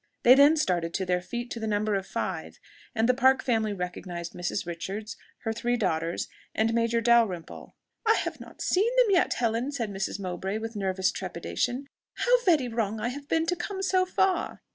They then started to their feet to the number of five; and the Park family recognized Mrs. Richards, her three daughters, and Major Dalrymple. "I have not seen them yet, Helen!" said Mrs. Mowbray with nervous trepidation: "how very wrong I have been to come so far!"